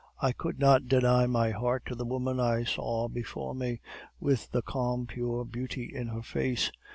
I could not deny my heart to the woman I saw before me, with the calm, pure beauty in her face.